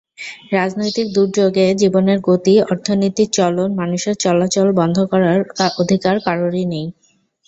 রাজনৈতিক দুর্যোগে জীবনের গতি, অর্থনীতির চলন, মানুষের চলাচল বন্ধ করার অধিকার কারোরই নেই।